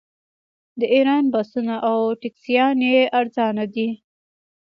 د ایران بسونه او ټکسیانې ارزانه دي.